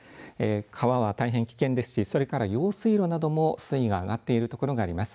川は大変危険ですしそれから用水路なども水位が上がっている所があります。